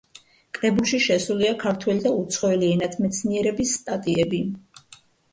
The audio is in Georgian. კრებულში შესულია ქართველი და უცხოელი ენათმეცნიერების სტატიები.